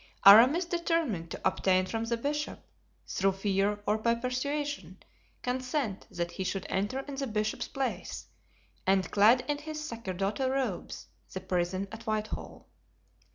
Aramis determined to obtain from the bishop, through fear or by persuasion, consent that he should enter in the bishop's place, and clad in his sacerdotal robes, the prison at Whitehall.